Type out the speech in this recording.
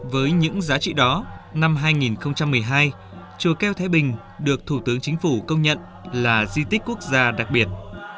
với những giá trị đó năm hai nghìn một mươi hai chùa keo thái bình được thủ tướng chính phủ công nhận là di tích quốc gia đặc biệt